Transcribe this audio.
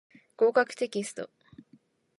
合格テキスト